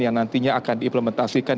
yang nantinya akan diimplementasikan